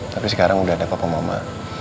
tapi sekarang udah ada bapak mama